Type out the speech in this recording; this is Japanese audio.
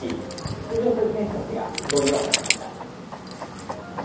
出場する選手たちが意気込みを話しました。